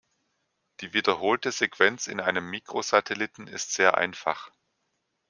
Die wiederholte Sequenz in einem Mikrosatelliten ist sehr einfach.